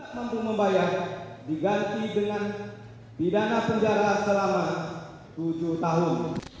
mampu membayar diganti dengan pidana penjara selama tujuh tahun